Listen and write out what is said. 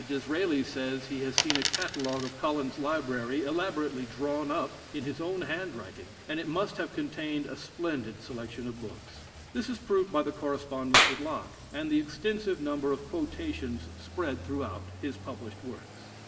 D'Israeli says he has seen a catalogue of Collins's library, elaborately drawn up in his own handwriting, and it must have contained a splendid selection of books. This is proved by the correspondence with Locke, and the extensive number of quotations spread throughout his published works.